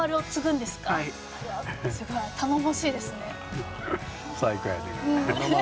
すごい頼もしいですね。